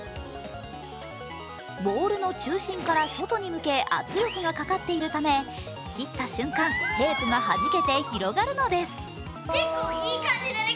ボールの中心から外に向け圧力がかかっているため、切った瞬間、テープがはじけて広がるのです。